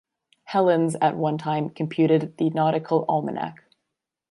Hellins at one time computed the "Nautical Almanac".